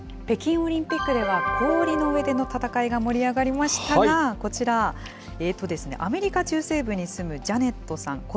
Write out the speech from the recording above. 北京オリンピックでは氷の上の闘いが盛り上がりましたが、こちら、アメリカ中西部に住むジャネットさん。